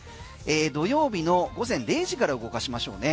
土曜日の午前０時から動かしましょう。